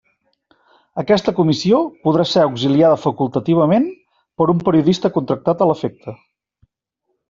Aquesta Comissió podrà ser auxiliada facultativament per un periodista contractat a l'efecte.